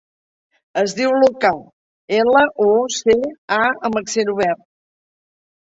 Es diu Lucà: ela, u, ce, a amb accent obert.